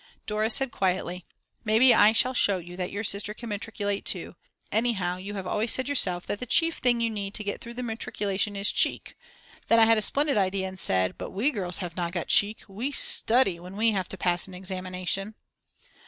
Dora said quietly: Maybe I shall show you that your sister can matriculate too; anyhow you have always said yourself that the chief thing you need to get through the matriculation is cheek. Then I had a splendid idea and said: "But we girls have not got cheek, we study when we have to pass an examination!"